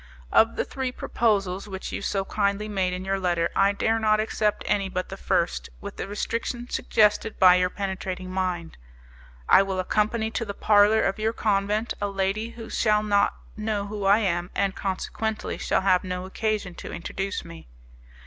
"Of the three proposals which you so kindly made in your letter, I dare not accept any but the first, with the restriction suggested by your penetrating mind. I will accompany to the parlour of your convent a lady who shall not know who I am, and, consequently, shall have no occasion to introduce me.